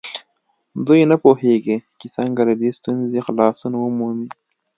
دوی نه پوهېږي چې څنګه له دې ستونزې خلاصون ومومي.